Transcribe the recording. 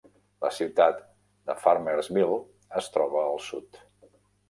La ciutat de Farmersville es troba al sud.